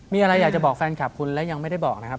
มีอะไรอยากจะบอกแฟนคลับคุณและยังไม่ได้บอกนะครับ